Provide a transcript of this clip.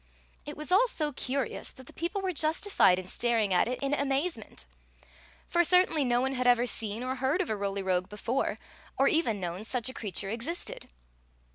It was all so curious that the people were justified in staring at it in amazement ; for certainly no one had ever seen or heard of a Roly Rogue before, or even known such a creature existed.